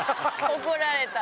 怒られた。